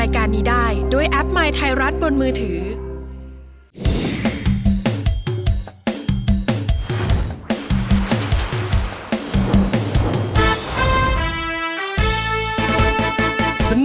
คุณล่ะโหลดหรือยัง